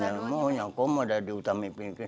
tiba tiba bilang ada di preventing al "